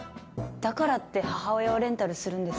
だからって母親をレンタルするんですか？